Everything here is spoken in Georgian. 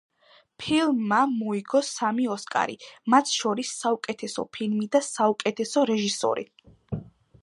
ფილმმა მოიგო სამი ოსკარი, მათ შორის საუკეთესო ფილმი და საუკეთესო რეჟისორი.